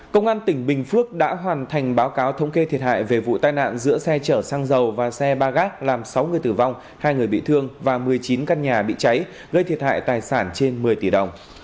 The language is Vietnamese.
công an tỉnh bình phước đã hoàn thành báo cáo thống kê thiệt hại về vụ tai nạn giữa xe chở xăng dầu và xe ba gác làm sáu người tử vong hai người bị thương và một mươi chín căn nhà bị cháy gây thiệt hại tài sản trên một mươi tỷ đồng